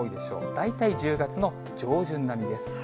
大体１０月の上旬並みです。